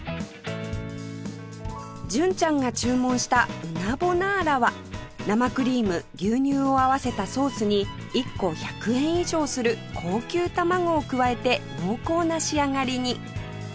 純ちゃんが注文したうなボナーラは生クリーム牛乳を合わせたソースに１個１００円以上する高級卵を加えて濃厚な仕上がりに